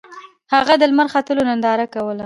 هغه د لمر ختلو ننداره کوله.